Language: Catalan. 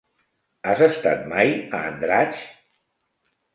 Has estat mai a Andratx?